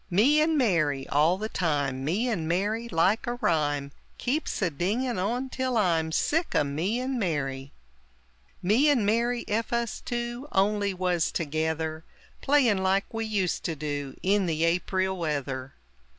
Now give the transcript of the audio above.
"Me and Mary!" all the time, "Me and Mary!" like a rhyme Keeps a dinging on till I'm Sick o' "Me and Mary!" "Me and Mary! Ef us two Only was together Playin' like we used to do In the Aprile weather!"